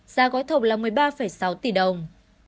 giá gói thầu là một mươi ba sáu tỷ đồng